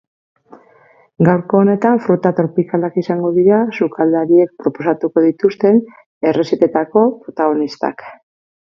Gaurko honetan, fruta tropikalak izango dira sukaldariek proposatuko dituzten errezetetako protagonistak.